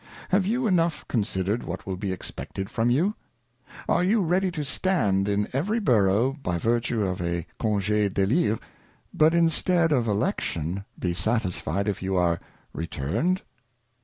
Have you enough considered what will be expected from you ? Are you ready to stand in every Borough by Vertue of a Conge d'eslire, and instead of Election, be satisfied if you are Returned